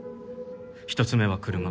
１つ目は車。